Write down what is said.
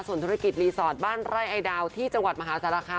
ส่วนธุรกิจรีสอร์ทบ้านไร่ไอดาวที่จังหวัดมหาสารคาม